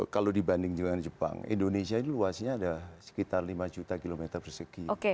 kalau dibanding dengan jepang indonesia ini luasnya ada sekitar lima juta kilometer persegi